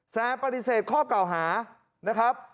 ปฏิเสธข้อเก่าหานะครับ